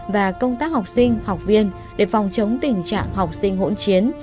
và công tác học sinh học viên để phòng chống tình trạng học sinh hỗn chiến